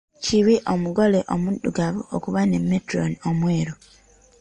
Kibi omugole omuddugavu okuba ne metulooni omweru.